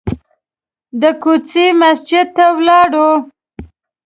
د کوڅې مسجد ته ولاړو.